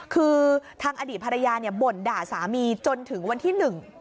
คือทางอดีตภรรยาบ่นด่าสามีจนถึงวันที่๑